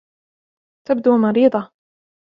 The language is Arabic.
تبدو مريضة.